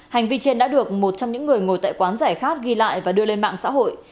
hành vi trên đã được một trong những người ngồi tại quán giải khát ghi lại và đưa lên mạng xã hội